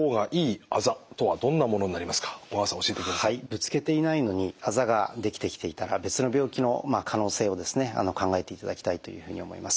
ぶつけていないのにあざができてきていたら別の病気の可能性をですね考えていただきたいというふうに思います。